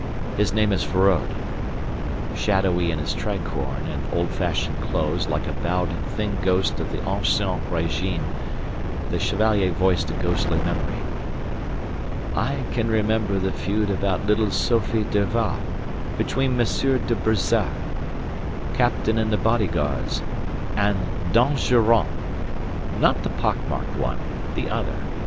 His name is Feraud." Shadowy in his_ tricorne_ and old fashioned clothes like a bowed thin ghost of the ancien régime the Chevalier voiced a ghostly memory. "I can remember the feud about little Sophie Derval between Monsieur de Brissac, captain in the Bodyguards and d'Anjorrant. Not the pockmarked one. The other.